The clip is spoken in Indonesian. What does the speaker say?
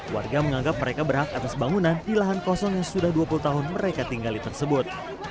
warga menganggap mereka berhak atas bangunan di lahan kosong yang sudah dua puluh tahun mereka tinggali tersebut